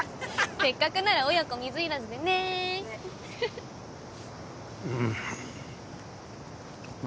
せっかくなら親子水入らずでねうんま